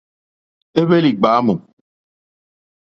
Éhwélì ɡbámù.